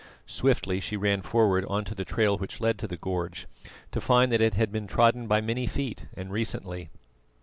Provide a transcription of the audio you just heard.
Swiftly she ran forward on to the trail which led to the gorge, to find that it had been trodden by many feet and recently.